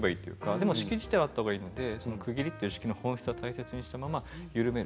でも式自体はあったほうがいいので、区切りの式の本質は大切にしたまま、ゆるめる。